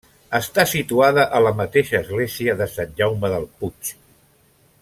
Està situada a la mateixa església de Sant Jaume del Puig.